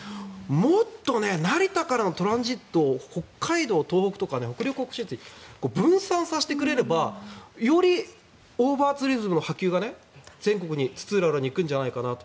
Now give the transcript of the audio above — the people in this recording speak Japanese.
もっと成田からのトランジットを北海道、東北とか北信越に分散させてくれればよりオーバーツーリズムの波及が全国に、津々浦々に行くんじゃないかなと。